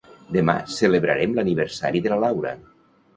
Demà celebrarem l'aniversari de la Laura